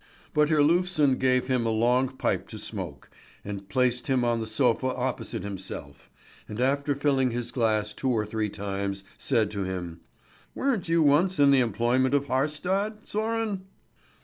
But Herlufsen gave him a long pipe to smoke, and placed him on the sofa opposite himself, and after filling his glass two or three times, said to him: "Weren't you once in the employment of Haarstad, Sören?"